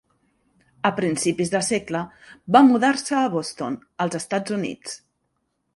A principis de segle va mudar-se a Boston, als Estats Units.